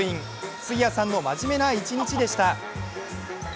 杉谷さんの真面目な一日でした。